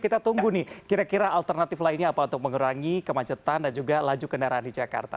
kita tunggu nih kira kira alternatif lainnya apa untuk mengurangi kemacetan dan juga laju kendaraan di jakarta